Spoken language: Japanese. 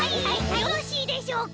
よろしいでしょうか？